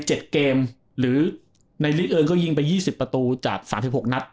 เจ็ดเกมหรือในลีกเองก็ยิงไปยี่สิบประตูจากสามสิบหกนัด